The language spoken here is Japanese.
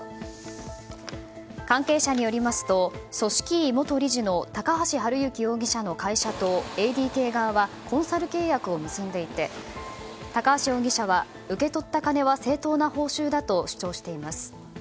関係者によりますと組織委元理事の高橋治幸容疑者の会社とＡＤＫ側はコンサル契約を結んでいて高橋容疑者は受け取った金は正当な報酬だと主張しています。